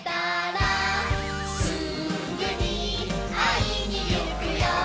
「すぐにあいにいくよ」